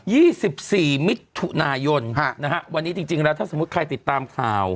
สิบสี่มิถุนายนฮะนะฮะวันนี้จริงจริงแล้วถ้าสมมุติใครติดตามข่าว